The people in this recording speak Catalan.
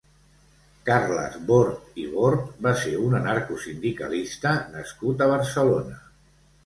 Carles Bort i Bort va ser un anarcosindicalista nascut a Barcelona.